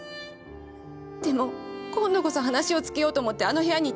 でも今度こそ話をつけようと思ってあの部屋に行ったんです。